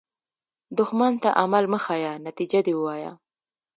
دښمن ته عمل مه ښیه، نتیجه دې ووایه